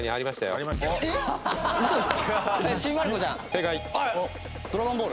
正解！